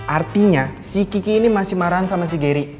artinya si kiki ini masih marahan sama si gary